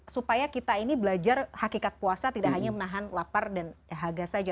supaya kita ini belajar hakikat puasa tidak hanya menahan lapar dan haga saja